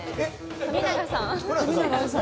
冨永さん。